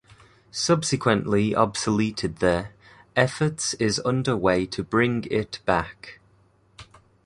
Subsequently obsoleted there, efforts is under way to bring it back.